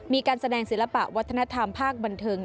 มีการแสดงศิลปะวัฒนธรรมภาคบันเทิง